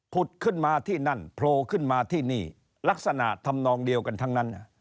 ขึ้นมาที่นั่นโผล่ขึ้นมาที่นี่ลักษณะทำนองเดียวกันทั้งนั้น